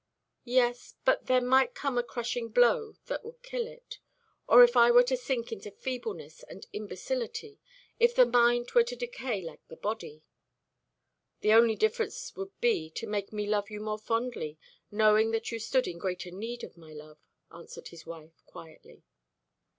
"Yes, but there might come a crushing blow that would kill it. Or if I were to sink into feebleness and imbecility if the mind were to decay like the body " "The only difference would be to make me love you more fondly, knowing that you stood in greater need of my love," answered his wife quietly.